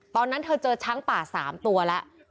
ตอนนั้นเธอเจอช้างป่า๓ตัวแล้ว